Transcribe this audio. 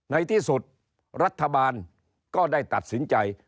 ในที่สุดรัฐบาลก็ได้ตัดสินใจ